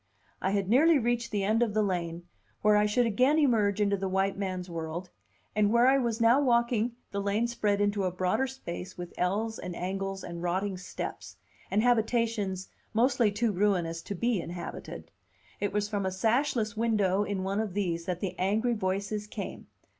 I had nearly reached the end of the lane, where I should again emerge into the White man's world, and where I was now walking the lane spread into a broader space with ells and angles and rotting steps, and habitations mostly too ruinous to be inhabited. It was from a sashless window in one of these that the angry voices came.